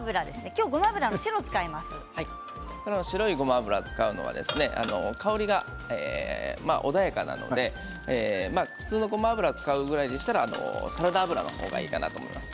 今日はごま油の白を白いごま油を使うのは香りが穏やかなので普通のごま油を使うぐらいでしたらサラダ油の方がいいかなと思います。